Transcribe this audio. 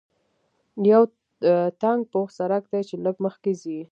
یو تنګ پوخ سړک دی چې لږ مخکې ځې.